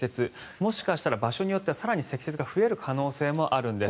もしかしたら場所によっては更に積雪が増える可能性もあるんです。